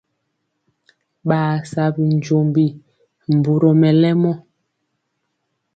Ɓaa sa binjombi mburɔ mɛlɛmɔ.